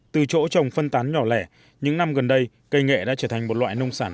từ chỗ trồng phân tán nhỏ lẻ những năm gần đây cây nghệ đã trở thành một loại nông sản